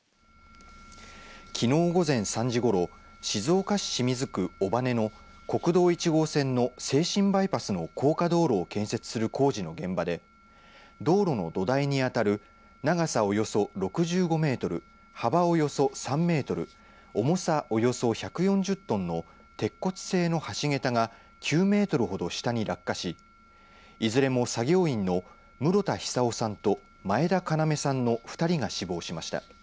きのう午前３時ごろ静岡市清水区尾羽の国道１号線の静清バイパスの高架道路を建設する工事の現場で道路の土台に当たる長さおよそ６５メートル幅およそ３メートル重さおよそ１４０トンの鉄骨製の橋桁が９メートルほど下に落下しいずれも作業員の室田久生さんと前田要さんの２人が死亡しました。